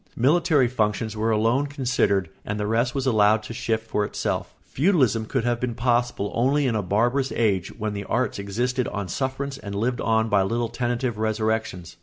Military functions were alone considered and the rest was allowed to shift for itself. Feudalism could have been possible only in a barbarous age when the arts existed on sufferance and lived on by little tentative resurrections.